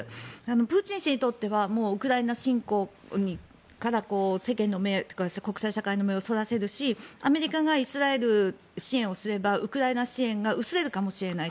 プーチン氏にとってはウクライナ侵攻から世間の目国際社会の目をそらせるしアメリカがイスラエル支援をすればウクライナ支援が薄れるかもしれない。